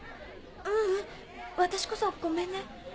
ううん私こそごめんね。